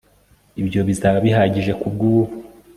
Ibyo bizaba bihagije kubwubu